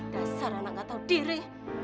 dasar anak gak tahu diri